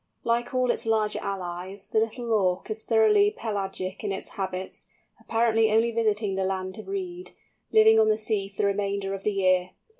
Like all its larger allies, the Little Auk is thoroughly pelagic in its habits, apparently only visiting the land to breed, living on the sea for the remainder of the year.